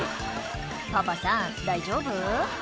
パパさん大丈夫？